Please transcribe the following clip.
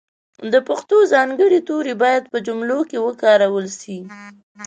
د پښتو ځانګړي توري باید په جملو کښې وکارول سي.